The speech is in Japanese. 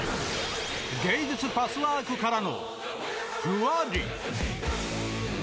芸術パスワークからのフワリ！